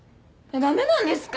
ダメなんですか？